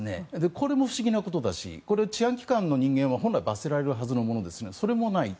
これも不思議なことだし治安機関の人間は本来罰せられるはずのものですがそれもない。